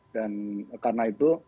dan karena itu